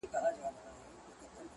o په زور کلي نه کېږي!